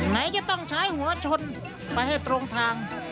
ไหนจะต้องใช้หัวชนไปให้ตรงทาง